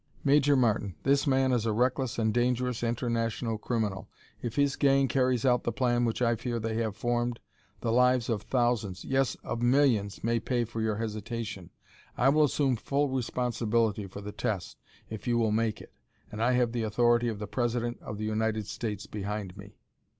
"Major Martin, this man is a reckless and dangerous international criminal. If his gang carries out the plan which I fear they have formed, the lives of thousands, yes, of millions, may pay for your hesitation. I will assume full responsibility for the test if you will make it, and I have the authority of the President of the United States behind me."